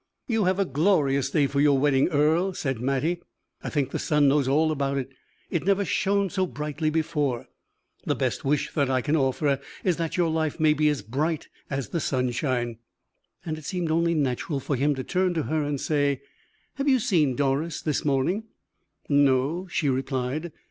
"You have a glorious day for your wedding, Earle," said Mattie. "I think the sun knows all about it; it never shone so brightly before. The best wish that I can offer is that your life may be as bright as the sunshine." It seemed only natural for him to turn to her and say: "Have you seen Doris this morning?" "No," she replied.